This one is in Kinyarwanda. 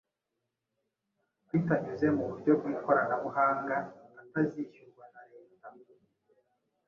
bitanyuze mu buryo bw’ ikoranabuhanga atazishyurwa na Leta.